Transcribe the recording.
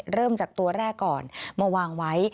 เริ่มจากตัวแรกก่อนมาวางไว้